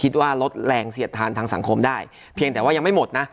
คิดว่าลดแรงเสียดทานทางสังคมได้เพียงแต่ว่ายังไม่หมดนะ